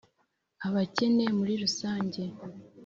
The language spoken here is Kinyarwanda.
abakene muri rusange